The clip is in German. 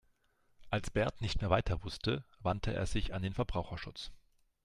Als Bert nicht mehr weiter wusste, wandte er sich an den Verbraucherschutz.